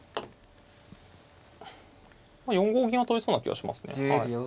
４五銀は取りそうな気がしますね。